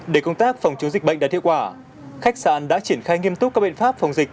để công tác phòng chống dịch bệnh đạt hiệu quả khách sạn đã triển khai nghiêm túc các biện pháp phòng dịch